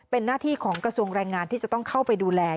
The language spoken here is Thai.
เป็นหน้าที่ของกระทรวงแรงงานที่จะต้องเข้าไปดูแล